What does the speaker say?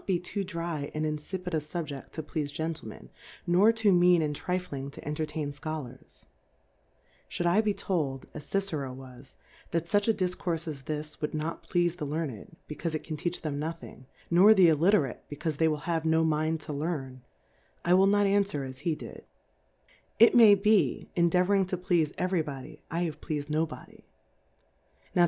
le too dry and infifid a Suhje^ to fleafe \ Gentlemen \ nor too mean and trifling to \ entertain Scholars, Should lie told (as \ Cicero was) that fuch a Difcourfe as \ this, would not fleafe the Learned^ le \ caufe it can teach them nothing ; 7wr the \ Illiterate^ Itcaufe they will have no mind \ to learn \ I will 7iot anfwer as he did : j It may he^ endeavouring to fleafe every j Bodvy I have fleas'* d no Body) now^ to\ keef] PREFACE.